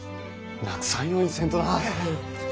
なくさんようにせんとな！